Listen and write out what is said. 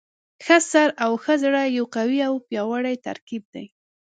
ښه سر او ښه زړه یو قوي او پیاوړی ترکیب دی.